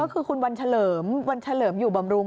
ก็คือคุณวันเฉลิมวันเฉลิมอยู่บำรุง